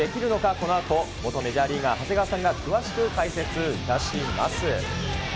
このあと、元メジャーリーガー、長谷川さんが詳しく解説いたします。